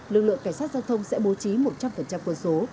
lực lượng cảnh sát giao thông sẽ bố trí một trăm linh quân số